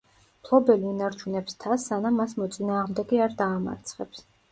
მფლობელი ინარჩუნებს თასს სანამ მას მოწინააღმდეგე არ დაამარცხებს.